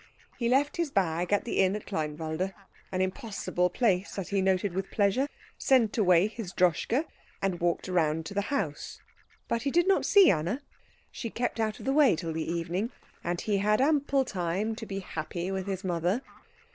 He left his bag at the inn at Kleinwalde, an impossible place as he noted with pleasure, sent away his Droschke, and walked round to the house; but he did not see Anna. She kept out of the way till the evening, and he had ample time to be happy with his mother.